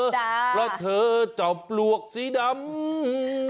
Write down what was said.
เพราะเธอจอมปลวกสีดำ